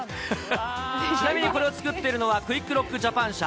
ちなみにこれを作っているのは、クイック・ロック・ジャパン社。